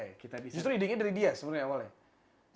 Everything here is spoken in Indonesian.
justru readingnya dari dia sebenarnya awalnya